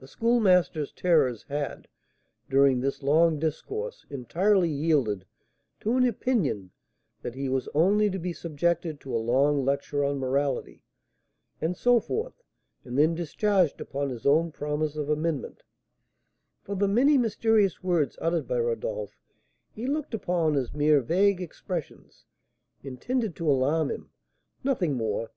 The Schoolmaster's terrors had, during this long discourse, entirely yielded to an opinion that he was only to be subjected to a long lecture on morality, and so forth, and then discharged upon his own promise of amendment; for the many mysterious words uttered by Rodolph he looked upon as mere vague expressions intended to alarm him, nothing more.